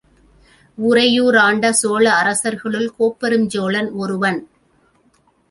உறையூராண்ட சோழ அரசர்களுள், கோப்பெருஞ் சோழன் ஒருவன்.